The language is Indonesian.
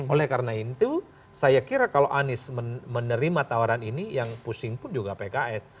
oleh karena itu saya kira kalau anies menerima tawaran ini yang pusing pun juga pks